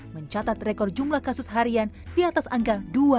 mencatat rekor jumlah kasus harian di atas angka dua